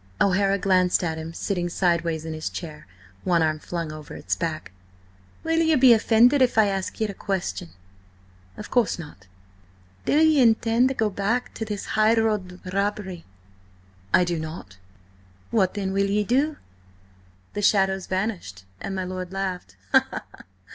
O'Hara glanced at him sitting sideways in his chair, one arm flung over its back. "Will ye be offended if I ask ye a question?" "Of course not." "Then–do ye intend to go back to this highroad robbery?" "I do not." "What then will you do?" The shadows vanished, and my lord laughed.